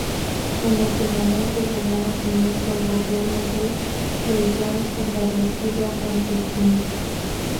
En ese momento se da nacimiento al gobierno de Beiyang establecido en Pekín.